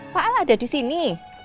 pak al ada disini